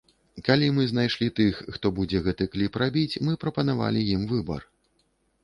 Калі мы знайшлі тых, хто будзе гэты кліп рабіць, мы прапанавалі ім выбар.